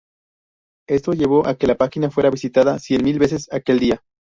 Esto llevó a que la página fuera visitada cien mil veces aquel día.